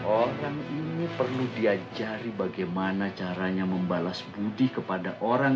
orang ini perlu diajari bagaimana caranya membalas budi kepada orang